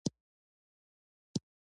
نفت د افغانستان د ځمکې د جوړښت نښه ده.